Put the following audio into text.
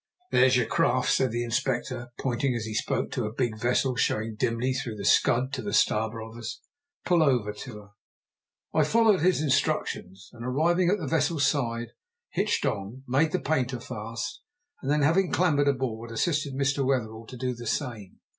"There's your craft," said the Inspector, pointing as he spoke to a big vessel showing dimly through the scud to starboard of us. "Pull over to her." I followed his instructions, and, arriving at the vessel's side, hitched on, made the painter fast, and then, having clambered aboard, assisted Mr. Wetherell to do the same.